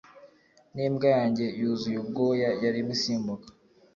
nimbwa yanjye yuzuye ubwoya yarimo isimbuka